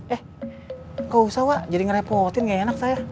eh gak usah pak jadi ngerepotin gak enak saya